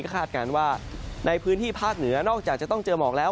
คาดการณ์ว่าในพื้นที่ภาคเหนือนอกจากจะต้องเจอหมอกแล้ว